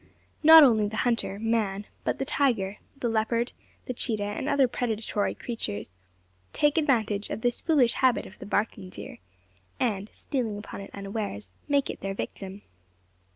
Not only the hunter, man, but the tiger, the leopard, the cheetah, and other predatory creatures, take advantage of this foolish habit of the barking deer; and stealing upon it unawares, make it their victim.